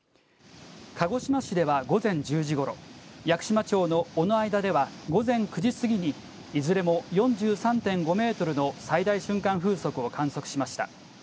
鹿児島市では午前１０時ごろ、屋久島町の尾之間では午前９時過ぎに、いずれも４３．５メートルの最大瞬間風速を観測しました。